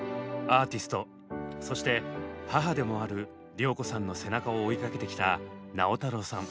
アーティストそして母でもある良子さんの背中を追いかけてきた直太朗さん。